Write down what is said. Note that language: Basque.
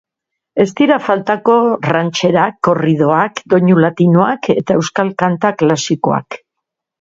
Ez dira faltako rantxerak, korridoak, doinu latinoak eta euskal kanta klasikoak.